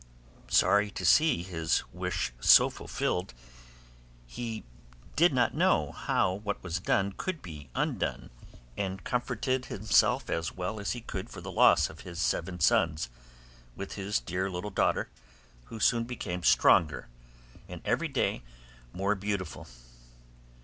Sorry as he was to see his wish so fulfilled, he did not know how what was done could be undone, and comforted himself as well as he could for the loss of his seven sons with his dear little daughter, who soon became stronger and every day more beautiful.